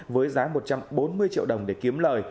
với giá một trăm bốn mươi triệu đồng để kiếm lời